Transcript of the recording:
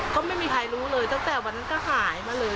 ก็ไม่มีใครรู้เลยตั้งแต่วันนั้นก็หายมาเลย